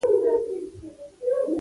ظالمه داسي مه کوه ، موږ دي خپل یو